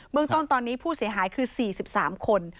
เมืองต้นตอนนี้ผู้เสียหายคือ๔๓คน